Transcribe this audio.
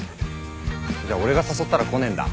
じゃ俺が誘ったら来ねえんだ？